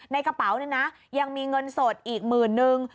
ในกระเป๋าเนี่ยนะยังมีเงินสดอีกหมื่นนึง